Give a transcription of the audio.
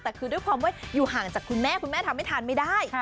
แต่คือด้วยความว่าอยู่ห่างจากคุณแม่คุณแม่ทำให้ทานไม่ได้